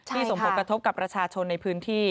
ส่งผลกระทบกับประชาชนในพื้นที่